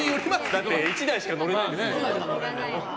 だって１台しか乗れないですもんね。